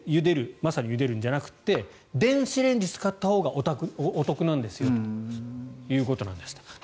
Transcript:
まさにゆでるんじゃなくて電子レンジを使ったほうがお得なんですよということです。